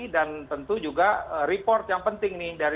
dan tentu juga report yang penting nih